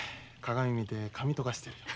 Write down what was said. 鏡見て髪とかしてるよ。